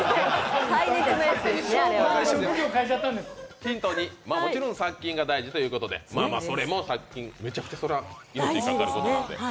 ヒント２、もちろん殺菌が大事ということで、それもめちゃくちゃ命に関わることなので。